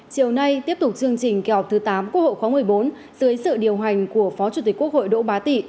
chiều nay tiếp tục chương trình kỳ họp thứ tám quốc hội khóa một mươi bốn dưới sự điều hành của phó chủ tịch quốc hội đỗ bá tị